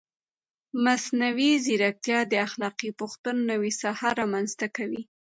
مصنوعي ځیرکتیا د اخلاقي پوښتنو نوې ساحه رامنځته کوي.